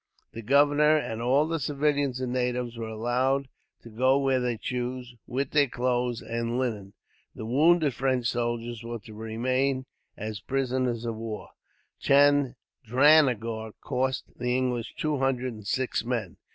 The governor, and all the civilians and natives, were allowed to go where they chose, with their clothes and linen. The wounded French soldiers were to remain, as prisoners of war. Chandranagore cost the English two hundred and six men.